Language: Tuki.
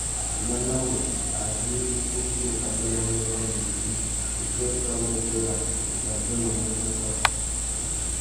Nana wu, ari ukutu a bianamú nguêndê ibi, upwêpwê mú : Berra uzu a biônômú mú Passa.